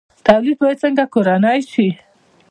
تولید باید څنګه کورنی شي؟